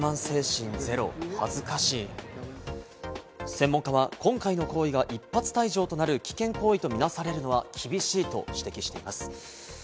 専門家は今回の行為が一発退場となる危険行為とみなされるのは厳しいと指摘しています。